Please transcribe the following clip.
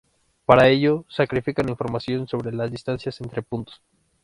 Para ello, sacrifican información sobre las distancias entre puntos.